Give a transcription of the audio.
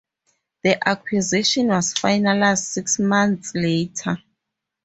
The acquisition was finalized six months later.